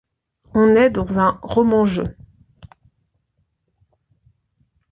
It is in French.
On est dans « un roman-je ».